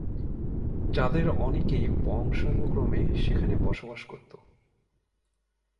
যাদের অনেকেই বংশানুক্রমে সেখানে বসবাস করতো।